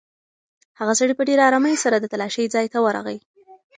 هغه سړی په ډېرې ارامۍ سره د تالاشۍ ځای ته ورغی.